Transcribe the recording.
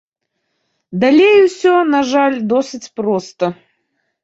Далей усё, на жаль, досыць проста.